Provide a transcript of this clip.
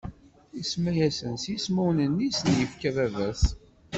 Isemma-asen s yismawen-nni i sen-ifka baba-s.